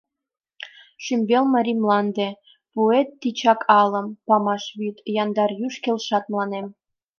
Шӱмбел Марий мланде, пуэт тичак алым, Памаш вӱд, яндар юж келшат мыланем.